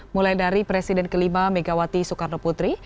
mulai dari presiden ke lima megawati soekarno putri